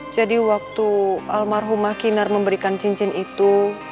jadi waktu almarhumah kinar memberikan cincin itu